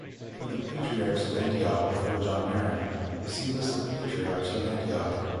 For the Patriarchs of Antioch before John Maron, see List of Patriarchs of Antioch.